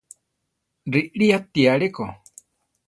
Riʼrí ati aléko.